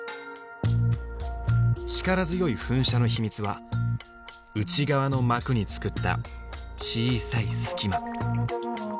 力強い噴射の秘密は内側の膜に作った小さい隙間。